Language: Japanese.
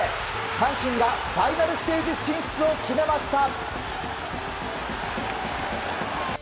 阪神がファイナルステージ進出を決めました。